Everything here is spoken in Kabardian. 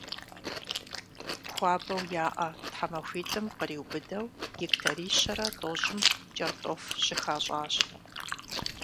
Хуабэу яӏа тхьэмахуитӏым къриубыдэу гектарищэрэ тӏощӏым кӏэртӏоф щыхащӏащ.